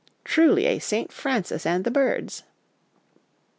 Truly a St Francis and the birds